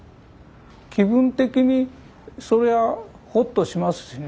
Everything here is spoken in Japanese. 気分的にそれはほっとしますしね。